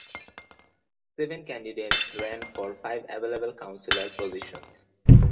Seven candidates ran for five available Councillor positions.